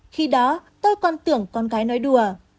khi đó tôi còn tưởng con gái nói đùa